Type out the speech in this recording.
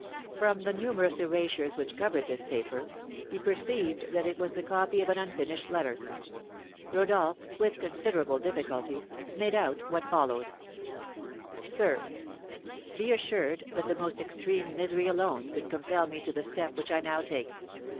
From the numerous erasures which covered this paper, he perceived that it was the copy of an unfinished letter. Rodolph, with considerable difficulty, made out what follows: "SIR: Be assured that the most extreme misery alone could compel me to the step which I now take.